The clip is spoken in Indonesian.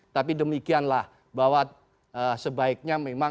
bahwasmbol bahwa sebaiknya